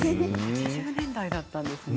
８０年代だったんですね。